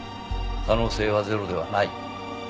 可能性はゼロではない。